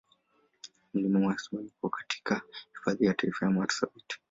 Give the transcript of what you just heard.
Mlima Marsabit uko katika Hifadhi ya Taifa ya Marsabit.